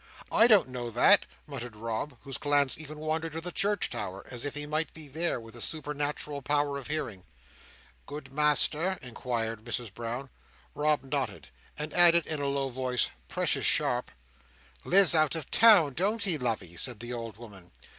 "I don't know that," muttered Rob, whose glance even wandered to the church tower, as if he might be there, with a supernatural power of hearing. "Good master?" inquired Mrs Brown. Rob nodded; and added, in a low voice, "precious sharp." "Lives out of town, don't he, lovey?" said the old woman.